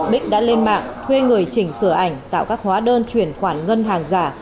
bích đã lên mạng thuê người chỉnh sửa ảnh tạo các hóa đơn chuyển khoản ngân hàng giả